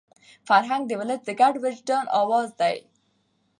فرهنګ د ولس د ګډ وجدان اواز دی.